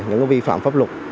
những vi phạm pháp luật